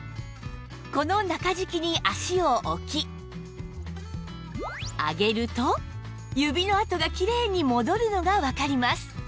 この中敷きに足を置き上げると指の跡がきれいに戻るのがわかります